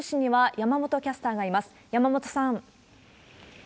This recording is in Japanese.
山本さん。